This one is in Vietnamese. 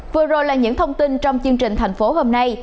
vừa rồi là những thông tin trong chương trình thành phố hôm nay